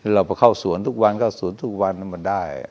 เราพอเข้าสวนทุกวันก็สวนทุกวันมันได้